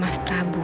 saya seperti itu